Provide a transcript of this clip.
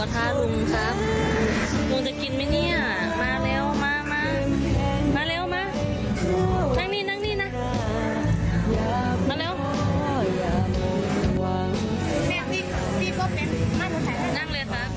ตั้งค้าสงสารเขาอยากให้เขากิน